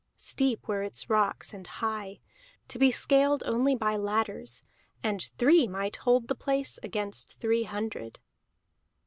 Steep were its rocks and high, to be scaled only by ladders, and three might hold the place against three hundred.